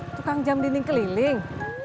tukang jam dinding keliling